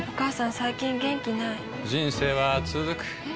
最近元気ない人生はつづくえ？